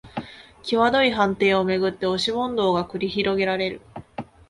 きわどい判定をめぐって押し問答が繰り広げられる